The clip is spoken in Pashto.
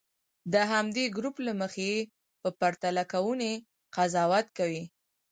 د همدې ګروپ له مخې یې په پرتله کوونې قضاوت کوي.